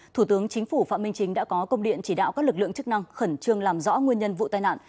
thủ tướng chính phủ phạm minh chính đã có công điện chỉ đạo các lực lượng chức năng khẩn trương làm rõ nguyên nhân vụ tai nạn